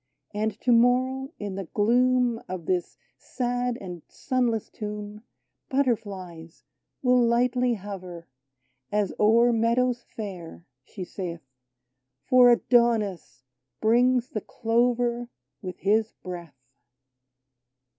And to morrow, in the gloom Of this sad and sunless tomb, Butterflies will lightly hover. As o'er meadows fair ;" she saith, " For Adonis brings the clover With his breath